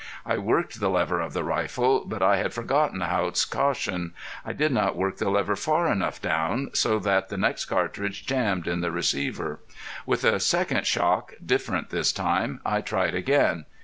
I worked the lever of the rifle. But I had forgotten Haught's caution. I did not work the lever far enough down, so that the next cartridge jammed in the receiver. With a second shock, different this time, I tried again.